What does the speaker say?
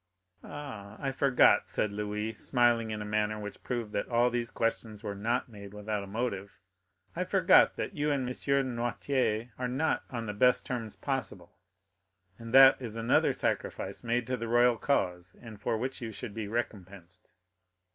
"Ah, I forgot," said Louis, smiling in a manner which proved that all these questions were not made without a motive; "I forgot you and M. Noirtier are not on the best terms possible, and that is another sacrifice made to the royal cause, and for which you should be recompensed."